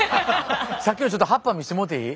さっきのちょっと葉っぱ見してもうていい？